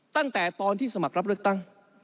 ตั้งแต่ตอนที่สมัครรับเลือกตั้ง